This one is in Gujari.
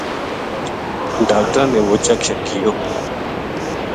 ڈاکٹراں نے وہ چیک شیک کِیو